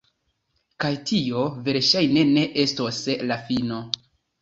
Kaj tio, verŝajne, ne estos la fino.